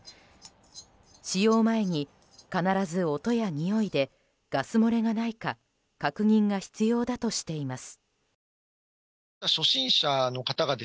使用前に必ず、音やにおいでガス漏れがないか確認が必要だとしています。